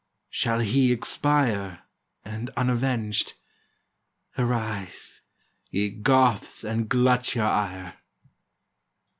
— Shall he expire And unavenged? — Arise! ye Goths, and glut your ire!